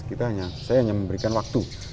saya hanya memberikan waktu